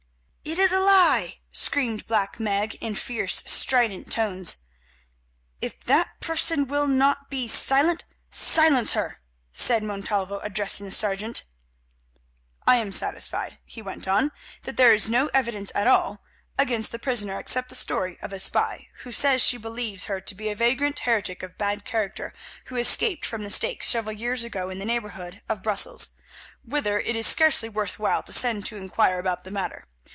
"It is a lie," screamed Black Meg in fierce, strident tones. "If that person will not be silent, silence her," said Montalvo, addressing the sergeant. "I am satisfied," he went on, "that there is no evidence at all against the prisoner except the story of a spy, who says she believes her to be a vagrant heretic of bad character who escaped from the stake several years ago in the neighbourhood of Brussels, whither it is scarcely worth while to send to inquire about the matter.